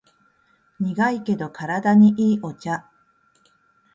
苦いけど体にいいお茶